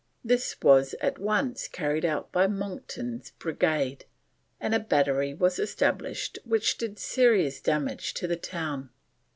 This was at once carried out by Monckton's brigade, and a battery was established which did serious damage to the town.